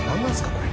これ。